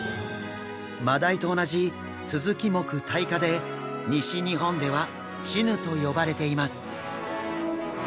マダイと同じスズキ目タイ科で西日本ではチヌと呼ばれています。